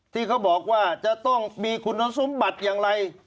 ที่เขาบอกว่าจะต้องมีคุณสมบัติอย่างไร